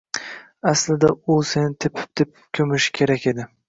Aslida u seni tepib-tepib ko‘mishi kerak edi